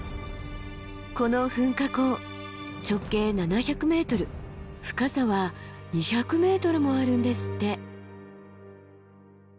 この噴火口直径７００ｍ深さは２００ｍもあるんですって。